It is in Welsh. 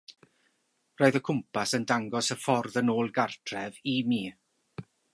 Roedd y cwmpas yn dangos y ffordd yn ôl gartref i mi.